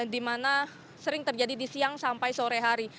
dimana sering terjadi di siang sampai sore hari